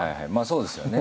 そうですよね